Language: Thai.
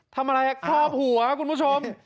ทำอะไรครอบหัวครับของคุณผู้ชม